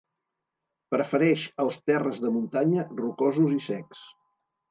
Prefereix els terres de muntanya rocosos i secs.